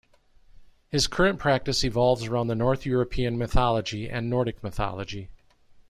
His current practice evolves around the North-European mythology and Nordic mythology.